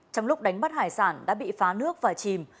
trong lúc đánh bắt hải sản đã bị phá nước và chìm